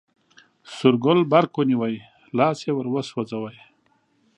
سور ګل برق ونیوی، لاس یې وروسوځوی.